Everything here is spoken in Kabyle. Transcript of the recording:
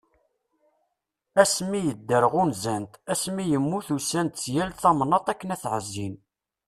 Asmi yedder ɣunzan-t, asmi yemmut usan-d seg yal tamnaḍt akken ad t-ɛezzin.